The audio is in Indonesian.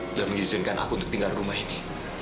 telah mengizinkan aku untuk tinggal di rumah ini